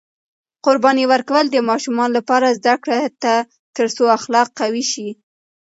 قرباني ورکول د ماشومانو لپاره زده کړه ده ترڅو اخلاق قوي شي.